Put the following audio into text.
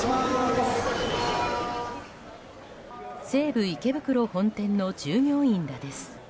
西武池袋本店の従業員らです。